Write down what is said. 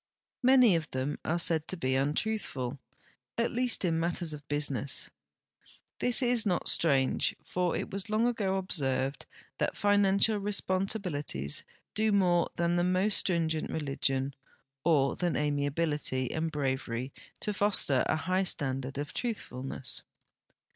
Many of them are said to be untruthful, at least in matters of business. 'I'liis is not strange, for it was long ago observed that financial responsibilities do more than the most stringent re ligion or than amiability and bravery to foster a high standard ()f truth fulnc.ss.